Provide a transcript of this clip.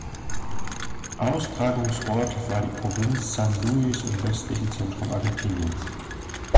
Austragungsort war die Provinz San Luis im westlichen Zentrum Argentiniens.